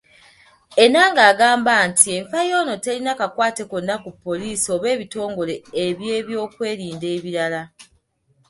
Enanga agamba nti enfa yono terina kakwate konna ku poliisi oba ebitongole ebyebyokwerinda ebirala.